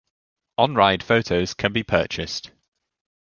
On-ride photos can be purchased.